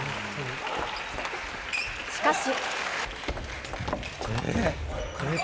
しかし。